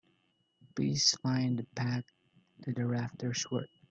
Please find the Packed to the Rafters work.